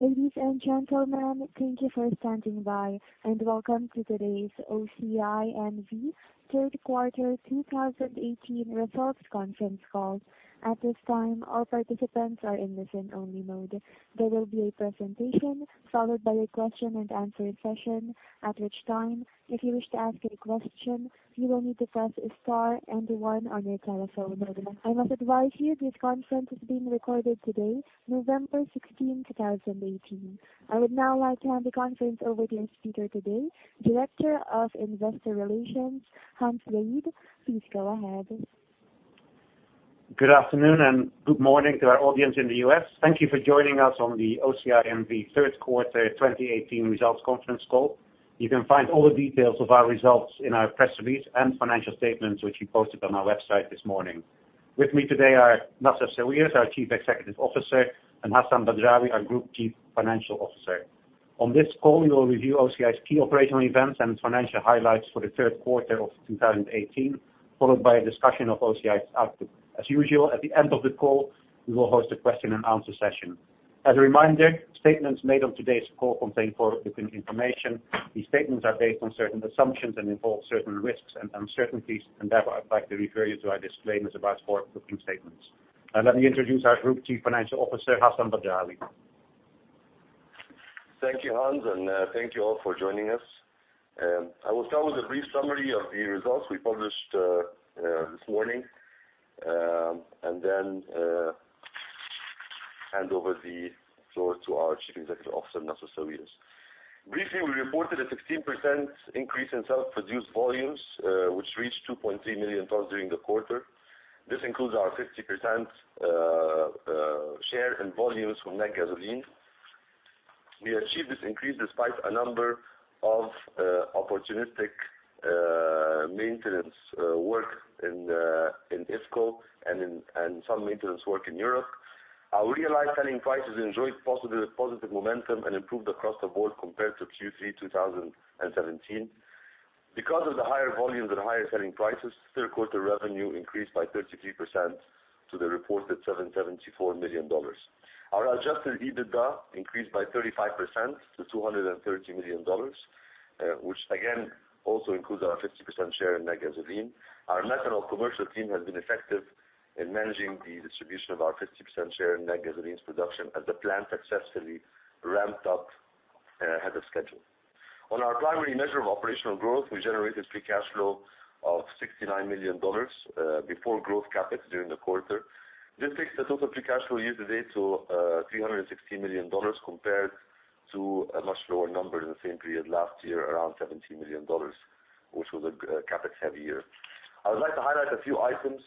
Ladies and gentlemen, thank you for standing by and welcome to today's OCI N.V. third quarter 2018 results conference call. At this time, all participants are in listen-only mode. There will be a presentation followed by a question-and-answer session, at which time, if you wish to ask any question, you will need to press star and then one on your telephone keypad. I must advise you this conference is being recorded today, November 16, 2018. I would now like to hand the conference over to your speaker today, Director of Investor Relations, Hans Zayed. Please go ahead. Good afternoon, and good morning to our audience in the U.S. Thank you for joining us on the OCI N.V. third quarter 2018 results conference call. You can find all the details of our results in our press release and financial statements, which we posted on our website this morning. With me today are Nassef Sawiris, our Chief Executive Officer, and Hassan Badrawi, our Group Chief Financial Officer. On this call, we will review OCI's key operational events and financial highlights for the third quarter of 2018, followed by a discussion of OCI's outlook. As usual, at the end of the call, we will host a question-and-answer session. As a reminder, statements made on today's call contain forward-looking information. These statements are based on certain assumptions and involve certain risks and uncertainties. Therefore, I'd like to refer you to our disclaimer about forward-looking statements. Now let me introduce our Group Chief Financial Officer, Hassan Badrawi. Thank you, Hans, and thank you all for joining us. I will start with a brief summary of the results we published this morning, then hand over the floor to our Chief Executive Officer, Nassef Sawiris. Briefly, we reported a 16% increase in sales produced volumes, which reached 2.3 million tons during the quarter. This includes our 50% share in volumes from Natgasoline. We achieved this increase despite a number of opportunistic maintenance work in IFCO and some maintenance work in Europe. Our realized selling prices enjoyed positive momentum and improved across the board compared to Q3 2017. Because of the higher volumes and higher selling prices, third quarter revenue increased by 33% to the reported $774 million. Our adjusted EBITDA increased by 35% to $230 million, which again, also includes our 50% share in Natgasoline. Our methanol commercial team has been effective in managing the distribution of our 50% share in Natgasoline's production as the plant successfully ramped up ahead of schedule. On our primary measure of operational growth, we generated free cash flow of $69 million before growth CapEx during the quarter. This takes the total free cash flow year to date to $316 million compared to a much lower number in the same period last year, around $17 million, which was a CapEx heavy year. I would like to highlight a few items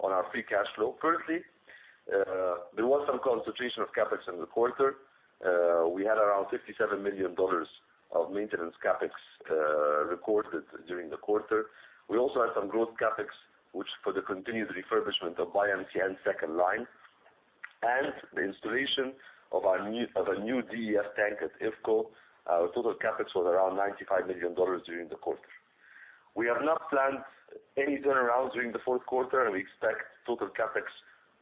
on our free cash flow. Firstly, there was some concentration of CapEx in the quarter. We had around $57 million of maintenance CapEx recorded during the quarter. We also had some growth CapEx, which for the continued refurbishment of BioMCN second line and the installation of a new DEF tank at IFCO. Our total CapEx was around $95 million during the quarter. We have not planned any turnarounds during the fourth quarter, and we expect total CapEx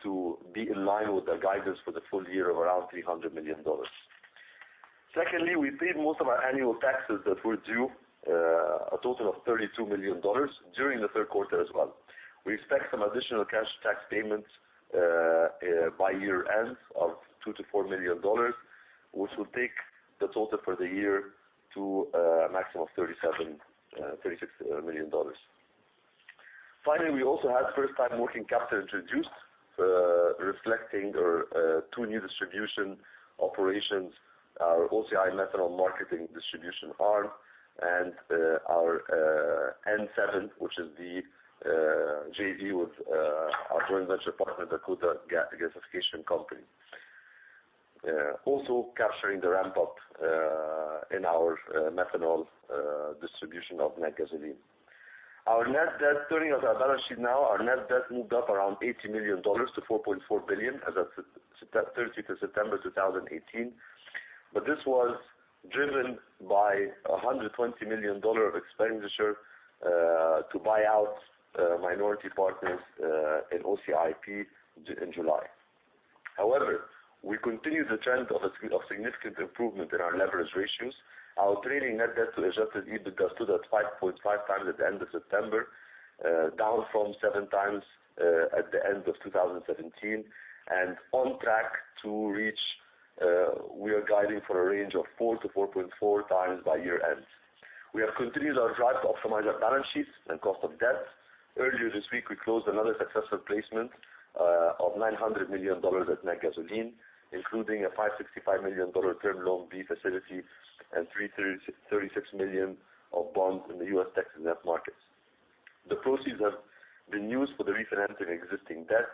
to be in line with the guidance for the full year of around $300 million. Secondly, we paid most of our annual taxes that were due, a total of $32 million, during the third quarter as well. We expect some additional cash tax payments by year-end of $2 million-$4 million, which will take the total for the year to a maximum of $37 million, $36 million. Finally, we also had first time working capital introduced, reflecting our two new distribution operations, our OCI Methanol Marketing distribution arm, and our N-7, which is the JV with our joint venture partner, Dakota Gasification Company. Also capturing the ramp-up in our methanol distribution of Natgasoline. Turning to our balance sheet now, our net debt moved up around $80 million to $4.4 billion as at 30th of September 2018. This was driven by $120 million of expenditure to buy out minority partners in OCIP in July. However, we continue the trend of significant improvement in our leverage ratios. Our trading net debt to adjusted EBITDA stood at 5.5 times at the end of September, down from seven times at the end of 2017 and on track to reach, we are guiding for a range of four to 4.4 times by year-end. We have continued our drive to optimize our balance sheets and cost of debt. Earlier this week, we closed another successful placement of $900 million at Natgasoline, including a $565 million Term Loan B Facility and $336 million of bonds in the U.S. tax exempt markets. The proceeds have been used for the refinancing existing debt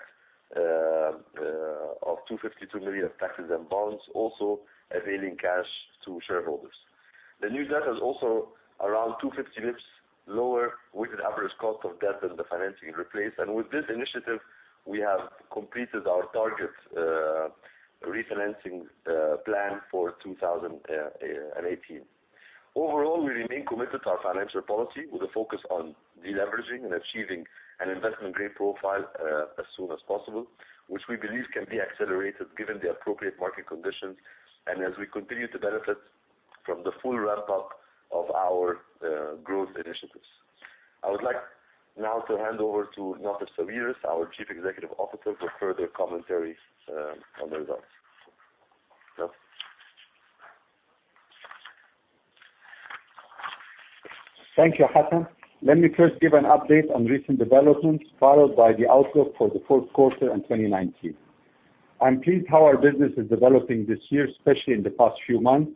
of $252 million of taxes and bonds, also availing cash to shareholders. The new debt is also around 250 basis points lower weighted average cost of debt than the financing replaced. With this initiative, we have completed our target refinancing plan for 2018. Overall, we remain committed to our financial policy with a focus on de-leveraging and achieving an investment-grade profile as soon as possible, which we believe can be accelerated given the appropriate market conditions and as we continue to benefit from the full ramp-up of our growth initiatives. I would like now to hand over to Nassef Sawiris, our Chief Executive Officer, for further commentary on the results. Nassef? Thank you, Hassan. Let me first give an update on recent developments, followed by the outlook for the fourth quarter and 2019. I'm pleased how our business is developing this year, especially in the past few months.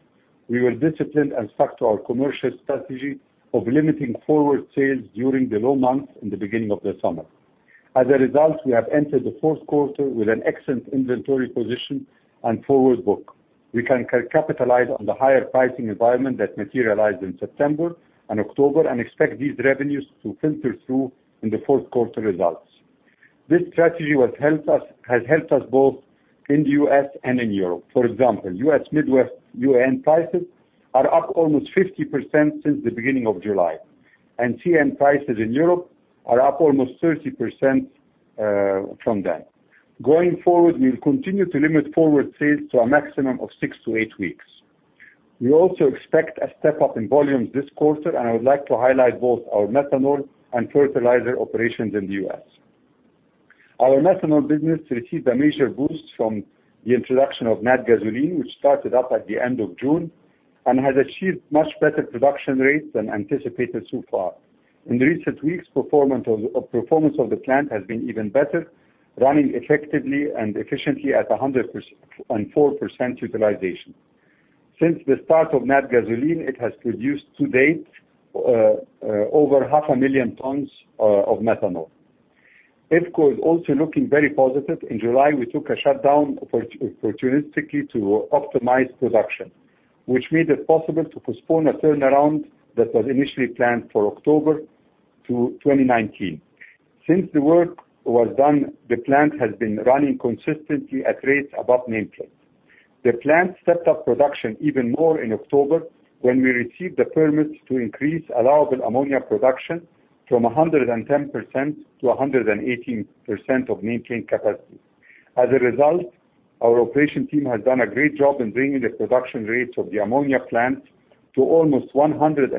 We were disciplined and stuck to our commercial strategy of limiting forward sales during the low months in the beginning of the summer. As a result, we have entered the fourth quarter with an excellent inventory position and forward book. We can capitalize on the higher pricing environment that materialized in September and October and expect these revenues to filter through in the fourth quarter results. This strategy has helped us both in the U.S. and in Europe. For example, U.S. Midwest UAN prices are up almost 50% since the beginning of July, and CAN prices in Europe are up almost 30% from then. Going forward, we'll continue to limit forward sales to a maximum of six to eight weeks. We also expect a step-up in volumes this quarter. I would like to highlight both our methanol and fertilizer operations in the U.S. Our methanol business received a major boost from the introduction of Natgasoline, which started up at the end of June and has achieved much better production rates than anticipated so far. In recent weeks, performance of the plant has been even better, running effectively and efficiently at 104% utilization. Since the start of Natgasoline, it has produced to date over 500,000 tons of methanol. IFCO is also looking very positive. In July, we took a shutdown opportunistically to optimize production, which made it possible to postpone a turnaround that was initially planned for October to 2019. Since the work was done, the plant has been running consistently at rates above nameplate. The plant stepped up production even more in October, when we received the permits to increase allowable ammonia production from 110% to 118% of nameplate capacity. As a result, our operation team has done a great job in bringing the production rates of the ammonia plant to almost 115%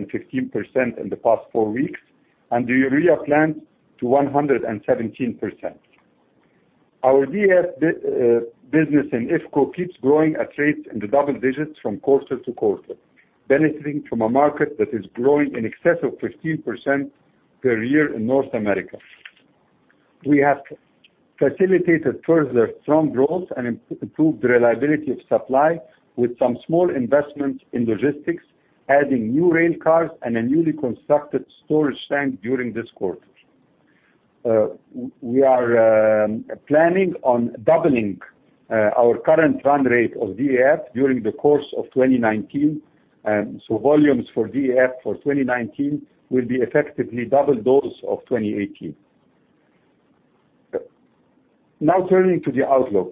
in the past four weeks and the urea plant to 117%. Our DEF business in IFCO keeps growing at rates in the double digits from quarter-to-quarter, benefiting from a market that is growing in excess of 15% per year in North America. We have facilitated further strong growth and improved reliability of supply with some small investments in logistics, adding new rail cars and a newly constructed storage tank during this quarter. We are planning on doubling our current run rate of DEF during the course of 2019. Volumes for DEF for 2019 will be effectively double those of 2018. Now turning to the outlook.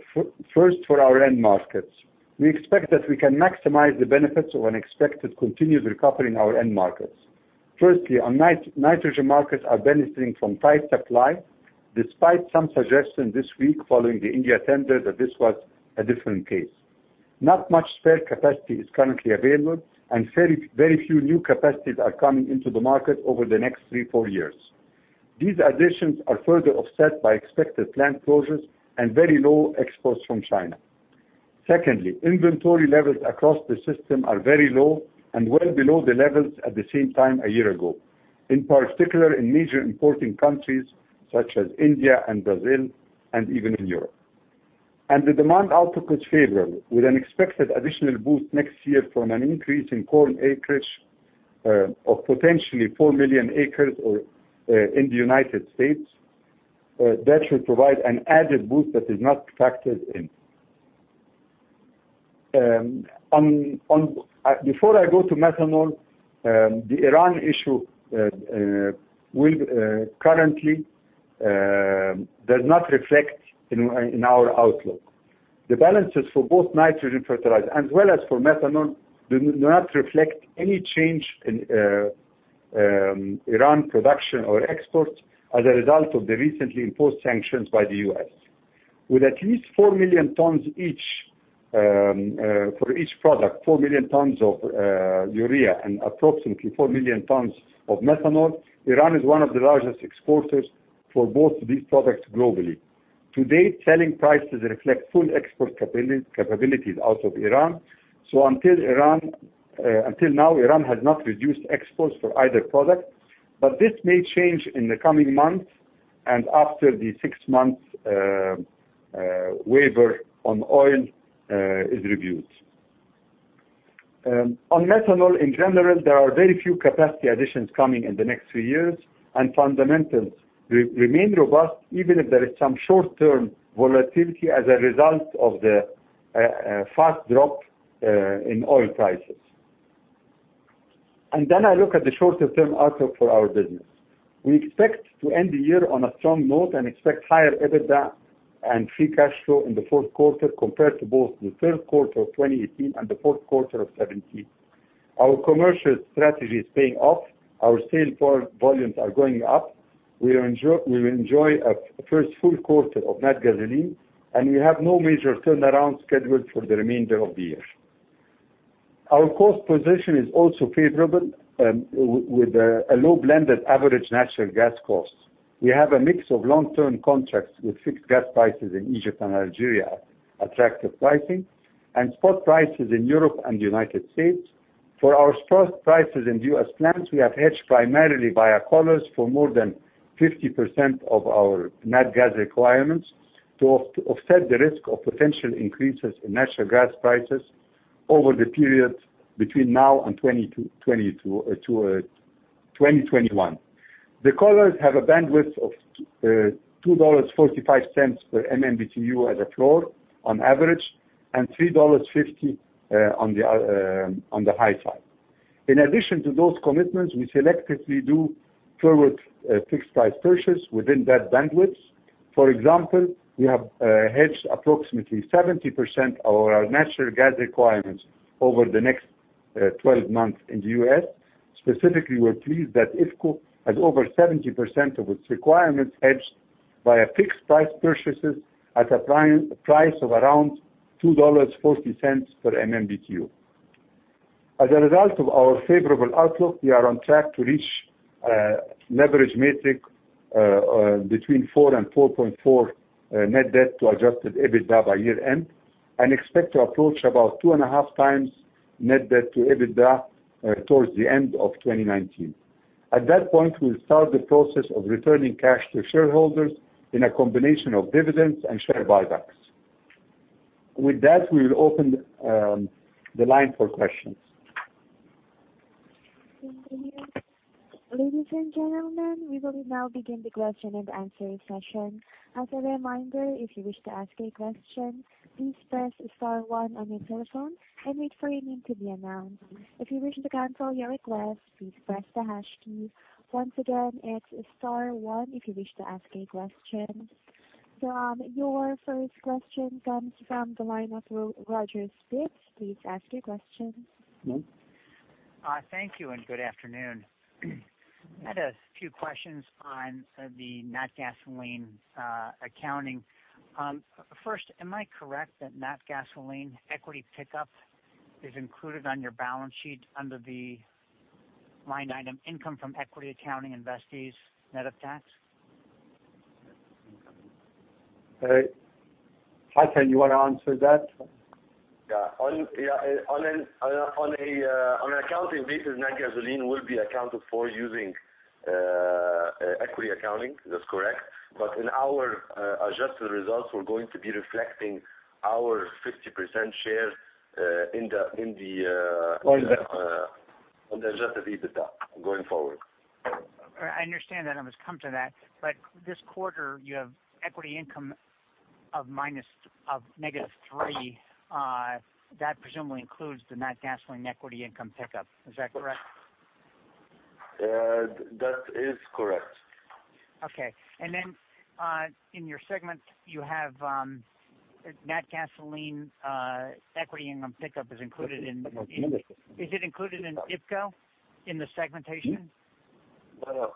First, for our end markets. We expect that we can maximize the benefits of an expected continued recovery in our end markets. Firstly, our nitrogen markets are benefiting from tight supply, despite some suggestion this week following the India tender that this was a different case. Not much spare capacity is currently available, and very few new capacities are coming into the market over the next three, four years. These additions are further offset by expected plant closures and very low exports from China. Secondly, inventory levels across the system are very low and well below the levels at the same time a year ago, in particular in major importing countries such as India and Brazil and even in Europe. The demand outlook is favorable, with an expected additional boost next year from an increase in corn acreage of potentially 4 million acres in the United States. That should provide an added boost that is not factored in. Before I go to methanol, the Iran issue currently does not reflect in our outlook. The balances for both nitrogen fertilizer as well as for methanol do not reflect any change in Iran production or exports as a result of the recently imposed sanctions by the U.S. With at least 4 million tons each, for each product, 4 million tons of urea and approximately 4 million tons of methanol, Iran is one of the largest exporters for both of these products globally. To date, selling prices reflect full export capabilities out of Iran. Until now, Iran has not reduced exports for either product, but this may change in the coming months and after the six-month waiver on oil is reviewed. On methanol, in general, there are very few capacity additions coming in the next few years, and fundamentals remain robust, even if there is some short-term volatility as a result of the fast drop in oil prices. Then I look at the shorter-term outlook for our business. We expect to end the year on a strong note and expect higher EBITDA and free cash flow in the fourth quarter compared to both the third quarter of 2018 and the fourth quarter of 2017. Our commercial strategy is paying off. Our sales volumes are going up. We will enjoy a first full quarter of Natgasoline, and we have no major turnaround scheduled for the remainder of the year. Our cost position is also favorable with a low blended average natural gas cost. We have a mix of long-term contracts with fixed gas prices in Egypt and Algeria, attractive pricing, and spot prices in Europe and the United States. For our spot prices in U.S. plants, we have hedged primarily via collars for more than 50% of our nat gas requirements to offset the risk of potential increases in natural gas prices over the period between now and 2021. The collars have a bandwidth of $2.45 per MMBtu as a floor on average, and $3.50 on the high side. In addition to those commitments, we selectively do forward fixed price purchases within that bandwidth. For example, we have hedged approximately 70% of our natural gas requirements over the next 12 months in the U.S. Specifically, we are pleased that IFCO has over 70% of its requirements hedged via fixed price purchases at a price of around $2.40 per MMBtu. As a result of our favorable outlook, we are on track to reach a leverage metric between four and 4.4 net debt to adjusted EBITDA by year-end, and expect to approach about 2.5 times net debt to EBITDA towards the end of 2019. At that point, we'll start the process of returning cash to shareholders in a combination of dividends and share buybacks. With that, we'll open the line for questions. Ladies and gentlemen, we will now begin the question-and-answer session. As a reminder, if you wish to ask a question, please press star one on your telephone and wait for your name to be announced. If you wish to cancel your request, please press the hash key. Once again, it's star one if you wish to ask a question. Your first question comes from the line of Roger Spitz. Please ask your question. Mm-hmm. Thank you, and good afternoon. I had a few questions on the Natgasoline accounting. First, am I correct that Natgasoline equity pickup is included on your balance sheet under the line item income from equity accounting investees net of tax? Hassan, you want to answer that? Yeah. On an accounting basis, Natgasoline will be accounted for using equity accounting. That's correct. In our adjusted results, we're going to be reflecting our 50% share in the adjusted EBITDA going forward. I understand that. I was coming to that. This quarter you have equity income of -$3 million. That presumably includes the Natgasoline equity income pickup. Is that correct? That is correct. Okay. Then in your segment, you have Natgasoline equity income pickup is included in. Is it included in IFCO in the segmentation? No.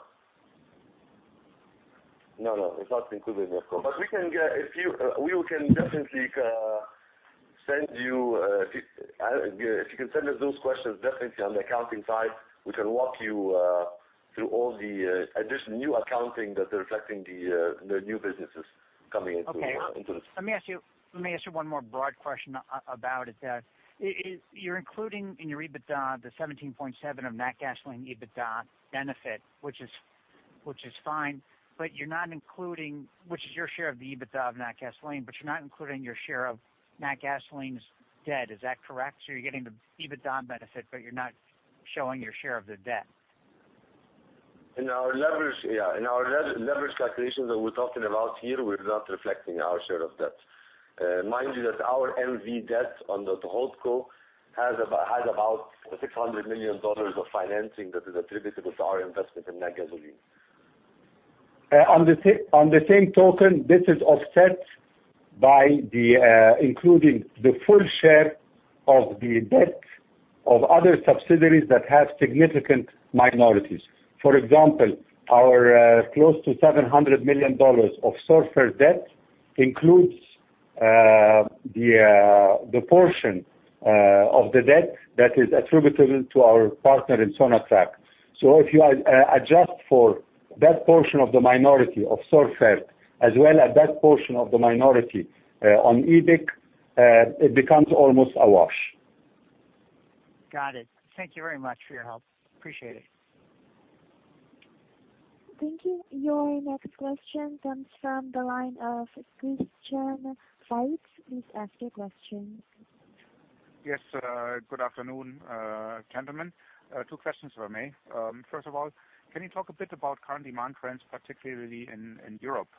No, it's not included in IFCO. We can definitely send you If you can send us those questions, definitely on the accounting side, we can walk you through all the additional new accounting that are reflecting the new businesses coming into the. Okay. Let me ask you one more broad question about it. You're including in your EBITDA the $17.7 million of Natgasoline EBITDA benefit, which is fine, which is your share of the EBITDA of Natgasoline, but you're not including your share of Natgasoline's debt. Is that correct? You're getting the EBITDA benefit, but you're not showing your share of the debt? In our leverage calculations that we're talking about here, we're not reflecting our share of debt. Mind you, that our N.V. debt under the HoldCo had about $600 million of financing that is attributable to our investment in Natgasoline. On the same token, this is offset by including the full share of the debt of other subsidiaries that have significant minorities. For example, our close to $700 million of Sorfert debt includes the portion of the debt that is attributable to our partner in Sonatrach. If you adjust for that portion of the minority of Sorfert as well as that portion of the minority on EBIC, it becomes almost a wash. Got it. Thank you very much for your help. Appreciate it. Thank you. Your next question comes from the line of Christian Faitz. Please ask your question. Yes. Good afternoon, gentlemen. Two questions if I may. First of all, can you talk a bit about current demand trends, particularly in Europe?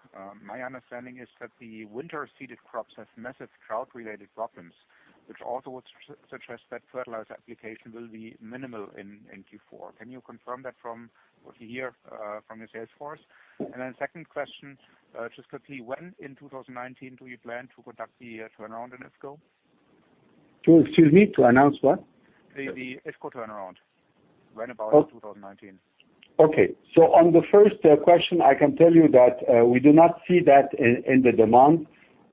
My understanding is that the winter-seeded crops have massive drought-related problems, which also would suggest that fertilizer application will be minimal in Q4. Can you confirm that from what you hear from your sales force? Second question, just quickly, when in 2019 do you plan to conduct the turnaround in IFCO? Excuse me, to announce what? The IFCO turnaround, when about in 2019? Okay. On the first question, I can tell you that we do not see that in the demand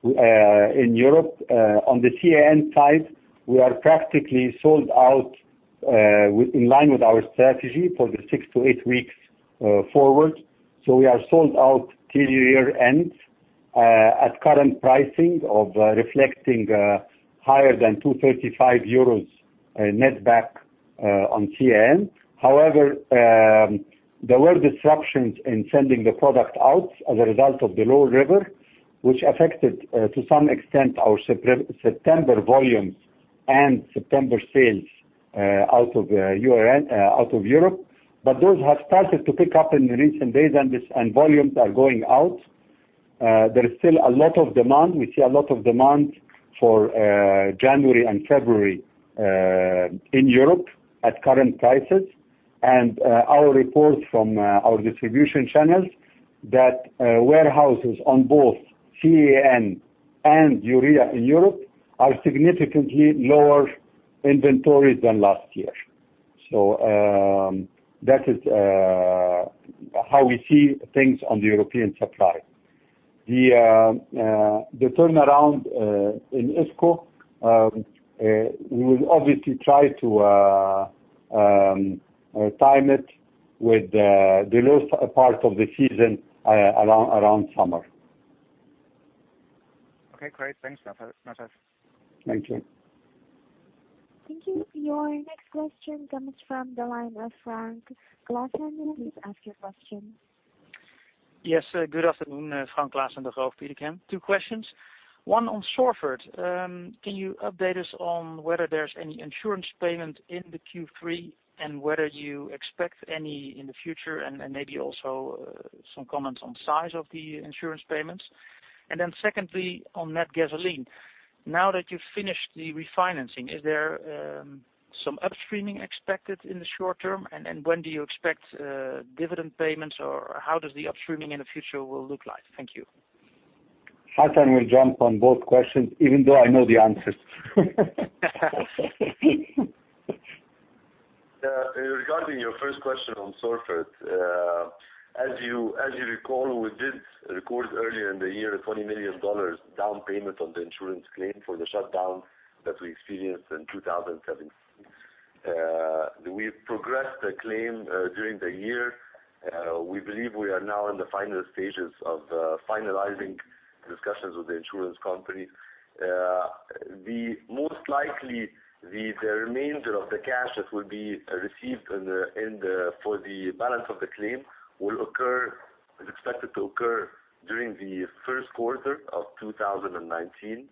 in Europe. On the CAN side, we are practically sold out, in line with our strategy for the six to eight weeks forward. We are sold out till year-end, at current pricing of reflecting higher than 235 euros net back on CAN. However, there were disruptions in sending the product out as a result of the low river, which affected to some extent our September volumes and September sales out of Europe. Those have started to pick up in the recent days and volumes are going out. There is still a lot of demand. We see a lot of demand for January and February in Europe at current prices. Our reports from our distribution channels that warehouses on both CAN and urea in Europe are significantly lower inventories than last year. That is how we see things on the European supply. The turnaround in IFCO, we will obviously try to time it with the lowest part of the season, around summer. Okay, great. Thanks, Nassef. Thank you. Thank you. Your next question comes from the line of Frank Claassen. Please ask your question. Yes, good afternoon. Frank Claassen, Degroof Petercam. Two questions. One on Sorfert. Can you update us on whether there's any insurance payment in the Q3, and whether you expect any in the future, and maybe also some comments on size of the insurance payments? Then secondly, on Natgasoline. Now that you've finished the refinancing, is there some upstreaming expected in the short term, and when do you expect dividend payments, or how does the upstreaming in the future will look like? Thank you. Hassan will jump on both questions, even though I know the answers. Regarding your first question on Sorfert, as you recall, we did record earlier in the year a $20 million down payment on the insurance claim for the shutdown that we experienced in 2017. We progressed the claim during the year. We believe we are now in the final stages of finalizing discussions with the insurance company. Most likely, the remainder of the cash that will be received for the balance of the claim is expected to occur during the first quarter of 2019.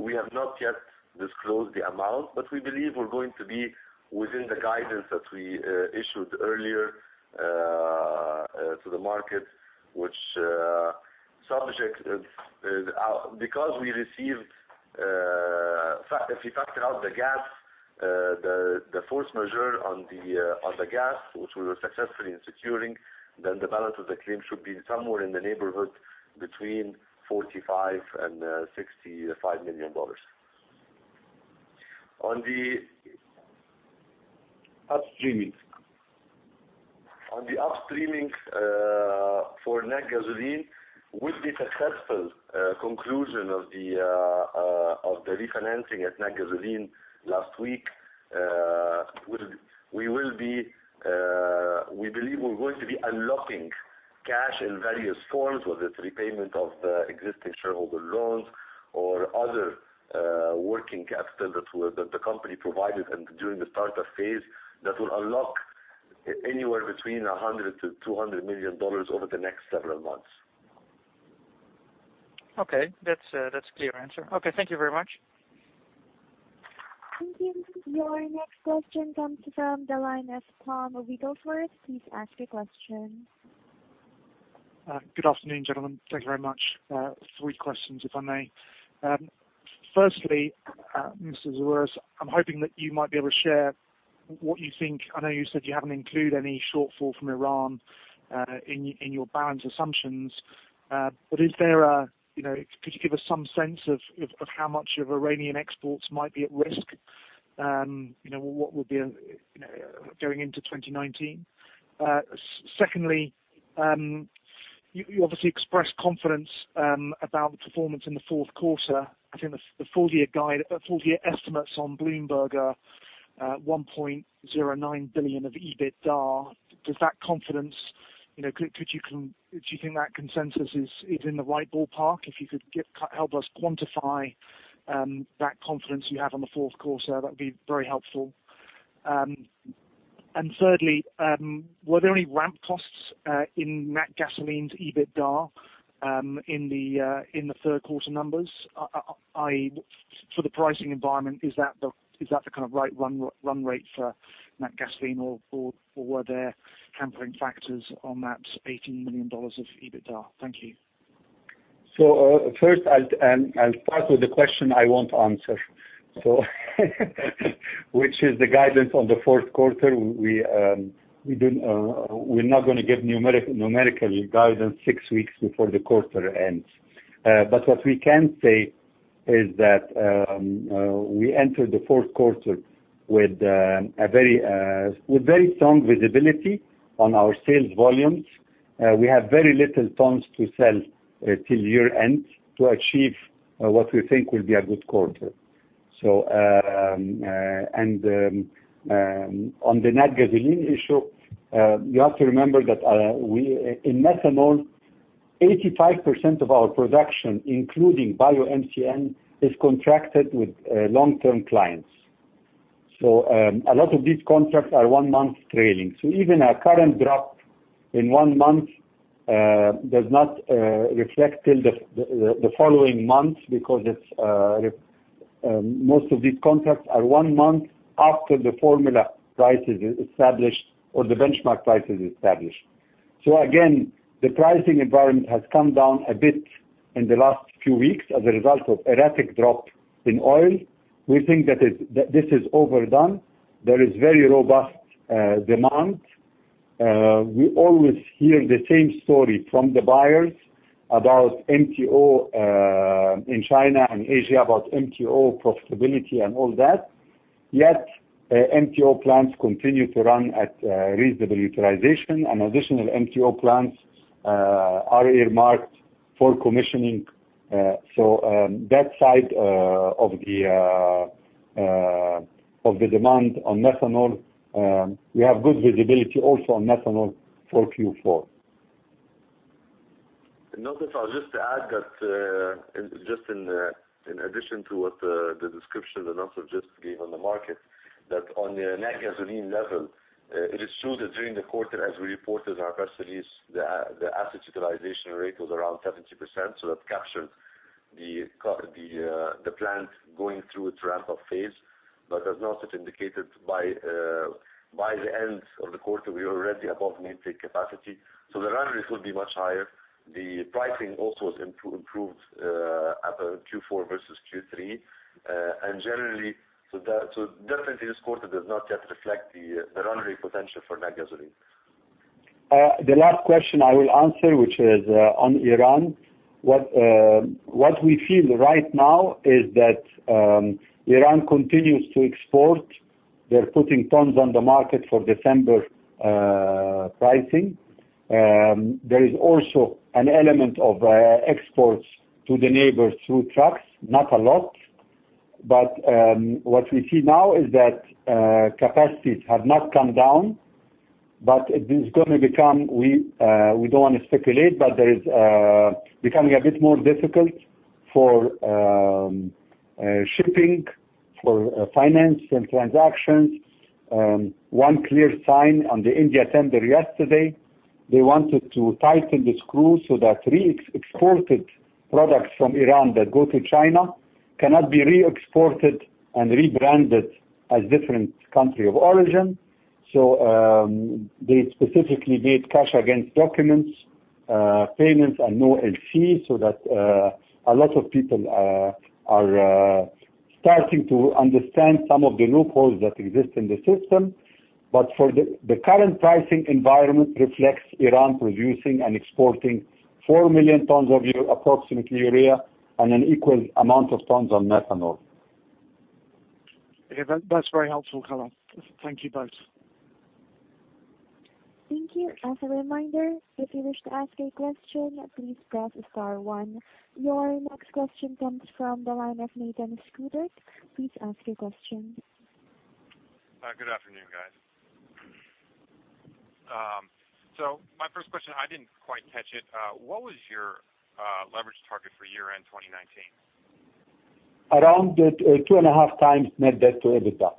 We have not yet disclosed the amount, but we believe we're going to be within the guidance that we issued earlier to the market. If you factor out the gap, the force majeure on the gas, which we were successful in securing, then the balance of the claim should be somewhere in the neighborhood between $45 million and $65 million. On the. Upstreaming. On the upstreaming for Natgasoline, with the successful conclusion of the refinancing at Natgasoline last week, we believe we're going to be unlocking cash in various forms, whether it's repayment of existing shareholder loans or other working capital that the company provided during the startup phase, that will unlock anywhere between $100 million-$200 million over the next several months. Okay. That's a clear answer. Okay, thank you very much. Thank you. Your next question comes from the line of Tom Wrigglesworth. Please ask your question. Good afternoon, gentlemen. Thank you very much. Three questions, if I may. Firstly, Mr. Sawiris, I'm hoping that you might be able to share what you think. I know you said you haven't included any shortfall from Iran in your balance assumptions. Could you give us some sense of how much of Iranian exports might be at risk going into 2019? Secondly, you obviously expressed confidence about the performance in the fourth quarter. I think the full year estimates on Bloomberg are $1.09 billion of EBITDA. Do you think that consensus is in the right ballpark? If you could help us quantify that confidence you have on the fourth quarter, that would be very helpful. Thirdly, were there any ramp costs in Natgasoline's EBITDA in the third quarter numbers? For the pricing environment, is that the kind of right run rate for Natgasoline, or were there tampering factors on that $18 million of EBITDA? Thank you. First, I'll start with the question I won't answer, which is the guidance on the fourth quarter. We're not going to give numerical guidance six weeks before the quarter ends. What we can say is that, we entered the fourth quarter with very strong visibility on our sales volumes. We have very little tons to sell till year end to achieve what we think will be a good quarter. On the Natgasoline issue, you have to remember that in methanol, 85% of our production, including BioMCN, is contracted with long-term clients. A lot of these contracts are one-month trailing. Even a current drop in one month, does not reflect till the following month because most of these contracts are one month after the formula price is established or the benchmark price is established. Again, the pricing environment has come down a bit in the last few weeks as a result of erratic drop in oil. We think that this is overdone. There is very robust demand. We always hear the same story from the buyers about MTO, in China and Asia, about MTO profitability and all that, yet MTO plants continue to run at reasonable utilization and additional MTO plants are earmarked for commissioning. That side of the demand on methanol, we have good visibility also on methanol for Q4. Also, if I'll just add that, just in addition to what the description that Nassef just gave on the market, that on the Natgasoline level, it is true that during the quarter, as we reported in our press release, the assets utilization rate was around 70%. That captured the plant going through its ramp-up phase. As Nassef indicated, by the end of the quarter, we were already above nameplate capacity, so the run rates will be much higher. The pricing also has improved at the Q4 versus Q3. Generally, definitely this quarter does not yet reflect the run rate potential for Natgasoline. The last question I will answer, which is on Iran. What we feel right now is that Iran continues to export. They're putting tons on the market for December pricing. There is also an element of exports to the neighbors through trucks, not a lot. What we see now is that capacities have not come down, but there is becoming a bit more difficult for shipping, for finance and transactions. One clear sign on the India tender yesterday, they wanted to tighten the screws so that re-exported products from Iran that go to China cannot be re-exported and rebranded as different country of origin. They specifically did cash against documents, payments and no LCs so that a lot of people are starting to understand some of the loopholes that exist in the system. The current pricing environment reflects Iran producing and exporting 4 million tons of approximately urea and an equal amount of tons on methanol. Yeah, that's very helpful color. Thank you both. Thank you. As a reminder, if you wish to ask a question, please press star one. Your next question comes from the line of Nathan Scudrick. Please ask your question. Good afternoon, guys. My first question, I didn't quite catch it. What was your leverage target for year-end 2019? Around 2.5 times net debt-to-EBITDA.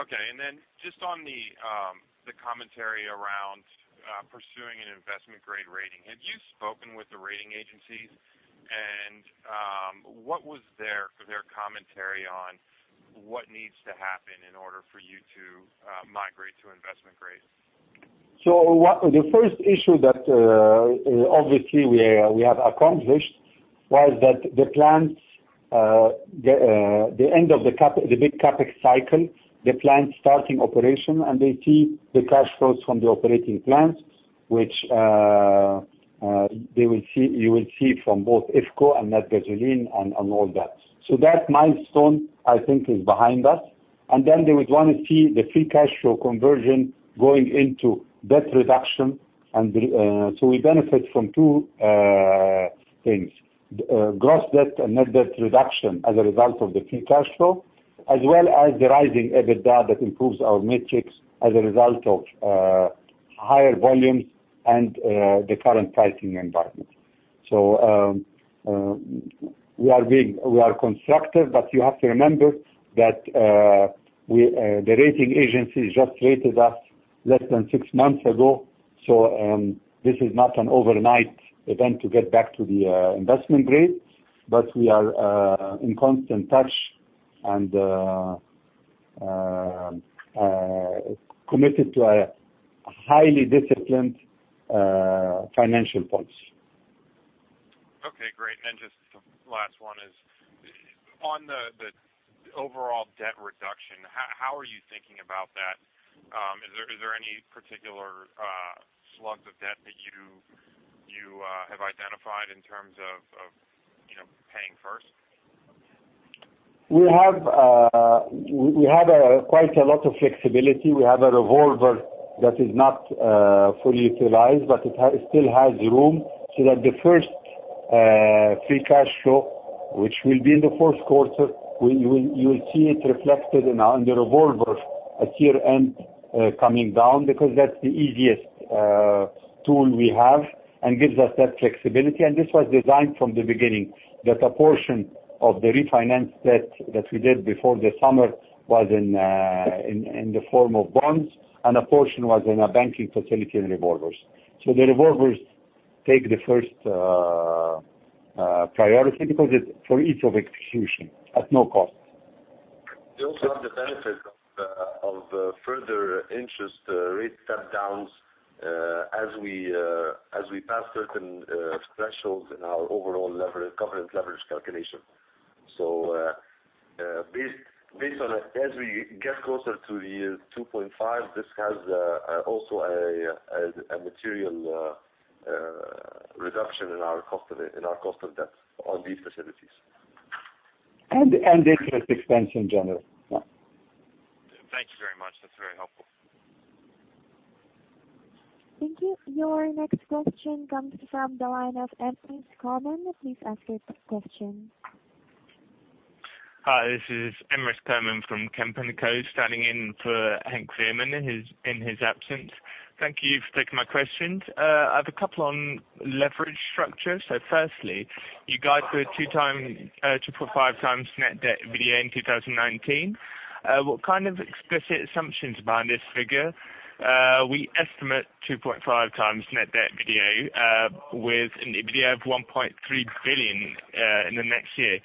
Okay. Then just on the commentary around pursuing an investment-grade rating, had you spoken with the rating agencies? What was their commentary on what needs to happen in order for you to migrate to investment grade? The first issue that obviously we have accomplished was that the plants, the end of the big CapEx cycle, the plant starting operation, and they see the cash flows from the operating plants, which you will see from both IFCO and Natgasoline and all that. That milestone, I think is behind us. Then they would want to see the free cash flow conversion going into debt reduction. We benefit from two things. Gross debt and net debt reduction as a result of the free cash flow, as well as the rising EBITDA that improves our metrics as a result of higher volumes and the current pricing environment. We are constructive, but you have to remember that the rating agencies just rated us less than six months ago, this is not an overnight event to get back to the investment grade. We are in constant touch and committed to a highly disciplined financial policy. Okay, great. Then just the last one is, on the overall debt reduction, how are you thinking about that? Is there any particular slugs of debt that you have identified in terms of paying first? We have quite a lot of flexibility. We have a revolver that is not fully utilized, but it still has room, so that the first free cash flow, which will be in the fourth quarter, you will see it reflected in the revolver at year-end coming down because that's the easiest tool we have and gives us that flexibility. This was designed from the beginning, that a portion of the refinance debt that we did before the summer was in the form of bonds, and a portion was in a banking facility in revolvers. The revolvers take the first priority because it's for ease of execution at no cost. They also have the benefit of further interest rate step downs as we pass certain thresholds in our overall covenant leverage calculation. Based on as we get closer to the 2.5, this has also a material reduction in our cost of debt on these facilities. And in interest expense in general. Yeah. Thank you very much. That's very helpful. Thank you. Your next question comes from the line of Emrys Komen. Please ask your question. Hi, this is Emrys Komen from Kempen & Co, standing in for Henk Veerman in his absence. Thank you for taking my questions. I have a couple on leverage structure. Firstly, you guide for a two times, 2.5 times net debt EBITDA in 2019. What kind of explicit assumptions behind this figure? We estimate 2.5 times net debt EBITDA with an EBITDA of $1.3 billion in the next year. Is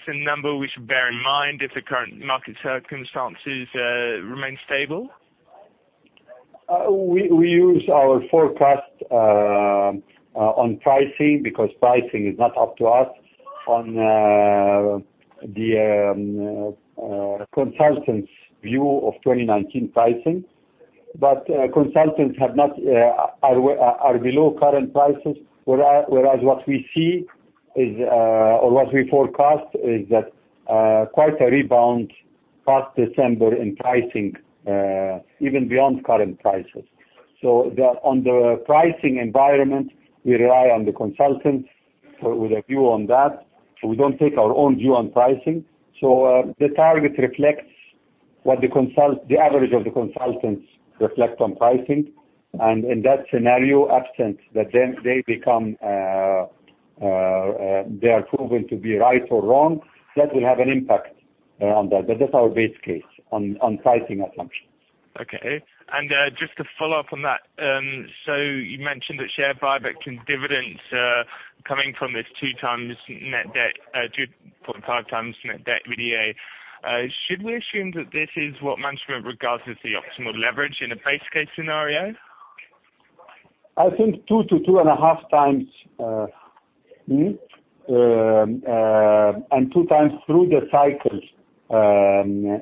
this a number we should bear in mind if the current market circumstances remain stable? We use our forecast on pricing because pricing is not up to us, on the consultant's view of 2019 pricing. Consultants are below current prices, whereas what we see or what we forecast is that quite a rebound past December in pricing, even beyond current prices. On the pricing environment, we rely on the consultants with a view on that. We don't take our own view on pricing. The target reflects what the average of the consultants reflect on pricing. In that scenario, absent that they are proven to be right or wrong, that will have an impact on that. That's our base case on pricing assumptions. Okay. Just to follow up on that. You mentioned that share buyback and dividends coming from this 2.5 times net debt-to-EBITDA. Should we assume that this is what management regards as the optimal leverage in a base case scenario? I think two to 2.5 times, and two times through the cycle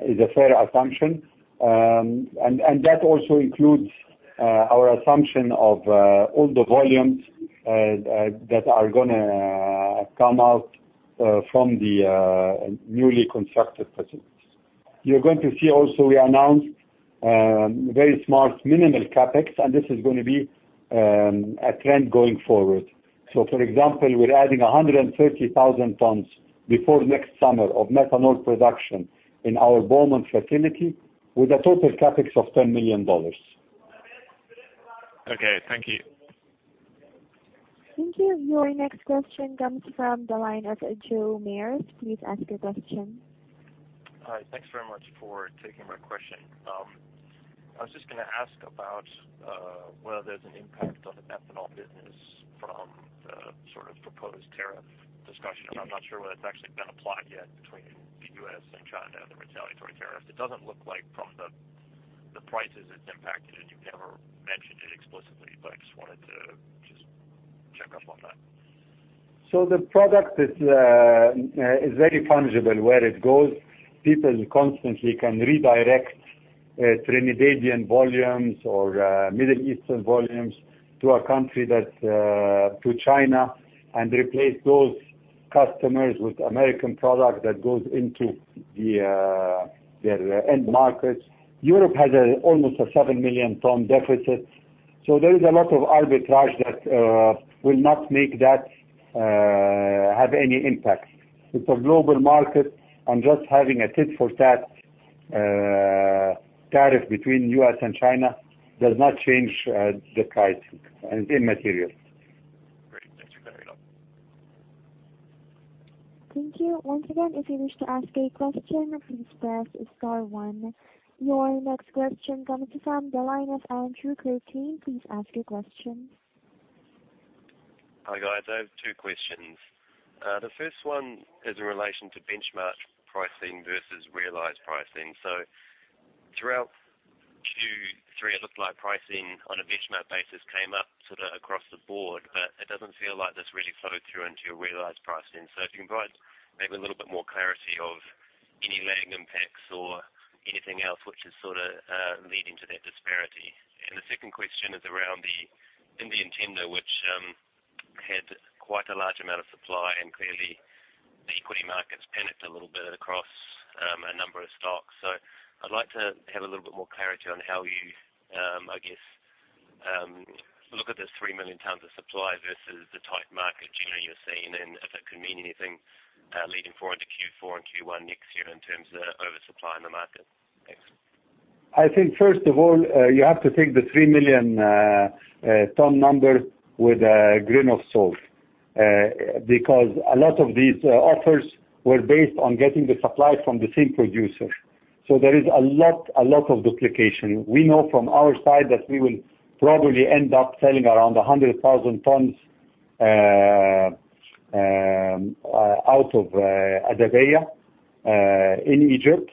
is a fair assumption. That also includes our assumption of all the volumes that are going to come out from the newly constructed facilities. You're going to see also we announced very smart minimal CapEx, and this is going to be a trend going forward. For example, we're adding 130,000 tons before next summer of methanol production in our Beaumont facility with a total CapEx of $10 million. Okay. Thank you. Thank you. Your next question comes from the line of [Joe Mears]. Please ask your question. Hi. Thanks very much for taking my question. I was just going to ask about whether there's an impact on the methanol business from the proposed tariff discussion. I'm not sure whether it's actually been applied yet between the U.S. and China, the retaliatory tariff. It doesn't look like from the prices it's impacted, and you've never mentioned it explicitly, but I just wanted to just check up on that. The product is very fungible. Where it goes, people constantly can redirect Trinidadian volumes or Middle Eastern volumes to China and replace those customers with American product that goes into their end markets. Europe has almost a 7 million ton deficit. There is a lot of arbitrage that will not make that have any impact. It's a global market, and just having a tit for tat tariff between U.S. and China does not change the price. It's immaterial. Great. Thank you very much. Thank you. Once again, if you wish to ask a question, please press star one. Your next question comes from the line of Andrew Kurteen. Please ask your question. Hi, guys. I have two questions. The first one is in relation to benchmark pricing versus realized pricing. Throughout Q3, it looked like pricing on a benchmark basis came up sort of across the board. It doesn't feel like that's really flowed through into your realized pricing. If you can provide maybe a little bit more clarity of any lagging impacts or anything else which is sort of leading to that disparity. The second question is around the Indian tender, which had quite a large amount of supply, and clearly the equity markets panicked a little bit across a number of stocks. I'd like to have a little bit more clarity on how you, I guess, look at this 3 million tons of supply versus the tight market generally you're seeing and if it could mean anything, leading forward to Q4 and Q1 next year in terms of oversupply in the market. Thanks. I think, first of all, you have to take the 3 million ton number with a grain of salt. Because a lot of these offers were based on getting the supply from the same producer. There is a lot of duplication. We know from our side that we will probably end up selling around 100,000 tons out of Adabiya, in Egypt.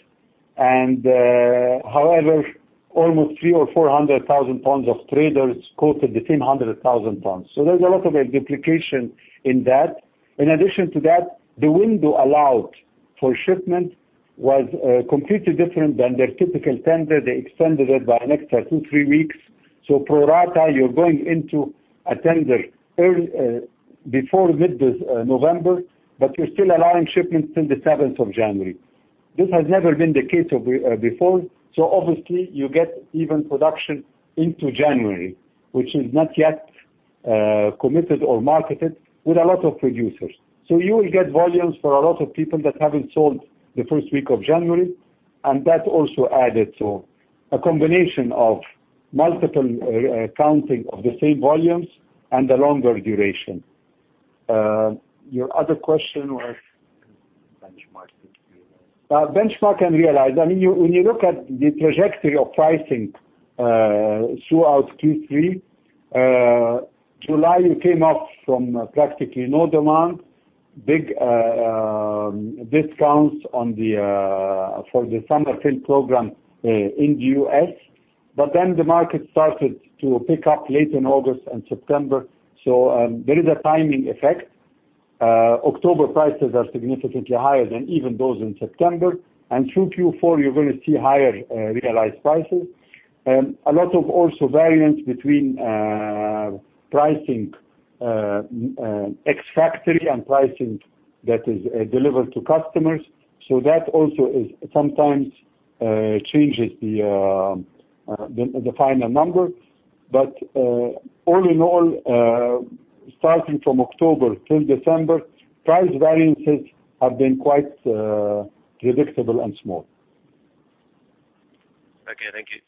However, almost 300,000 or 400,000 tons of traders quoted the same 100,000 tons. There's a lot of duplication in that. In addition to that, the window allowed for shipment was completely different than their typical tender. They extended it by an extra two, three weeks. Pro rata, you're going into a tender before mid-November, but you're still allowing shipments till the 7th of January. This has never been the case before, obviously, you get even production into January, which is not yet committed or marketed with a lot of producers. You will get volumes for a lot of people that haven't sold the first week of January, and that also added to a combination of multiple counting of the same volumes and a longer duration. Your other question was? Benchmark and realized. Benchmark and realized. When you look at the trajectory of pricing throughout Q3. July, you came off from practically no demand, big discounts for the summer fill program in the U.S. Then the market started to pick up late in August and September. There is a timing effect. October prices are significantly higher than even those in September. Through Q4, you're going to see higher realized prices. A lot of also variance between pricing ex-factory and pricing that is delivered to customers. That also sometimes changes the final number. All in all, starting from October till December, price variances have been quite predictable and small. Okay. Thank you.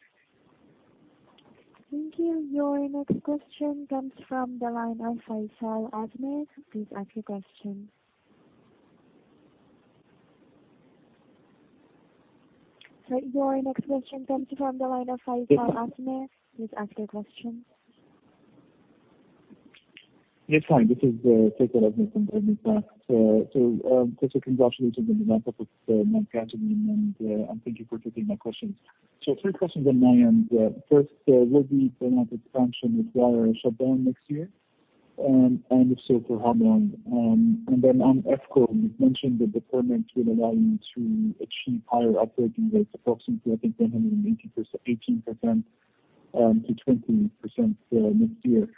Thank you. Your next question comes from the line of Faisal Al Azmeh. Please ask your question. Yes, fine. This is Faisal Al Azmeh from Goldman Sachs. First of congratulations on the ramp-up of Natgasoline, and thank you for taking my questions. Three questions on my end. First, will the Beaumont expansion require a shutdown next year? If so, for how long? Then on IFCO, you've mentioned the department will allow you to achieve higher operating rates, approximately, I think 118%-120% next year.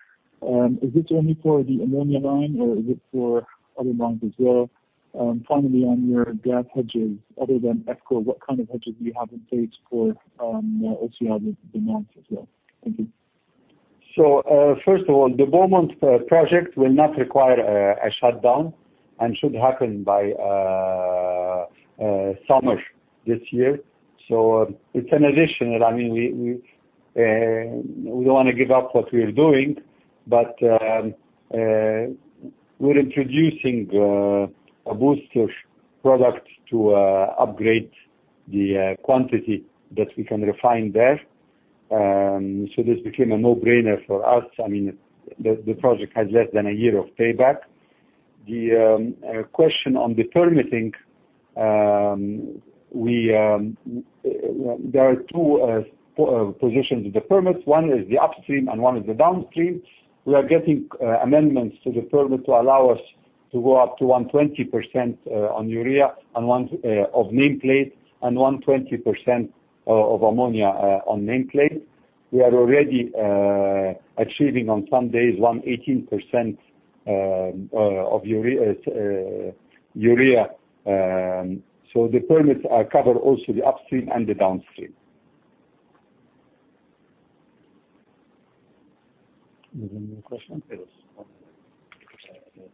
Is this only for the ammonia line or is it for other lines as well? Finally, on your gas hedges, other than IFCO, what kind of hedges do you have in place for OCI Beaumont as well? Thank you. Sure. First of all, the Beaumont project will not require a shutdown and should happen by summer this year. It's an addition. We don't want to give up what we're doing, but we're introducing a boost of product to upgrade the quantity that we can refine there. This became a no-brainer for us. The project has less than a year of payback. The question on the permitting, there are two positions of the permits. One is the upstream and one is the downstream. We are getting amendments to the permit to allow us to go up to 120% on urea of nameplate and 120% of ammonia on nameplate. We are already achieving on some days 118% of urea. The permits cover also the upstream and the downstream. Is there any more questions? Yes.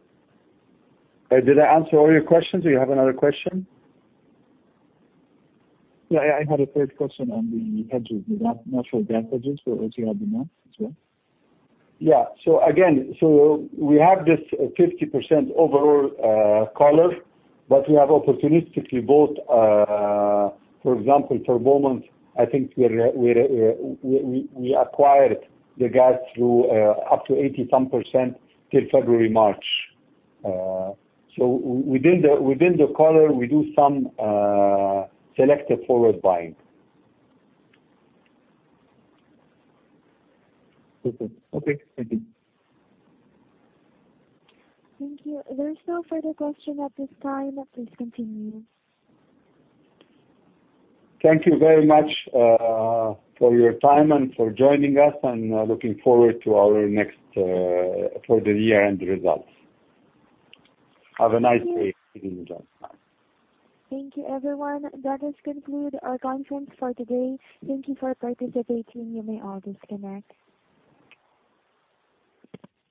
Did I answer all your questions or you have another question? Yeah, I had a third question on the hedges, natural gas hedges for OCI Beaumont as well. Yeah. Again, we have this 50% overall collar, but we have opportunistically both, for example, for Beaumont, I think we acquired the gas through up to 80%-some till February, March. Within the collar, we do some selective forward buying. Okay. Thank you. Thank you. There's no further question at this time. Please continue. Thank you very much for your time and for joining us, looking forward to our next for the year-end results. Have a nice day, ladies and gentleman. Thank you, everyone. That has concluded our conference for today. Thank you for participating. You may all disconnect.